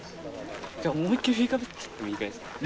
じゃあ思いっきり振りかぶっちゃってもいいぐらいですか？